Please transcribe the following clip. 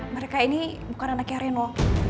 mereka ini bukan anaknya reno